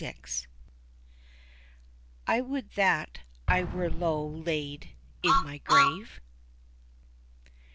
"I would that I were low laid in my grave."